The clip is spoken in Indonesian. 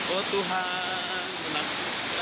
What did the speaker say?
oh tuhan menakjubkan